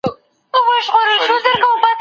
ولي د مصرف کوونکو حقونه خوندي دي؟